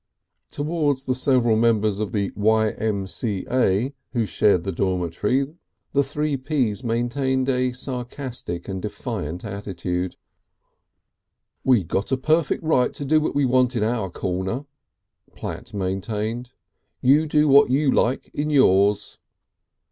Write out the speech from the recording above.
Towards the several members of the Y. M. C. A. who shared the dormitory, the Three Ps always maintained a sarcastic and defiant attitude. "We got a perfect right to do what we like in our corner," Platt maintained. "You do what you like in yours."